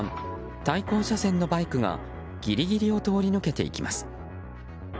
対向車線のバイクがギリギリを通り抜けていきます。